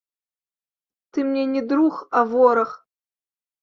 Ты мне не друг, а вораг.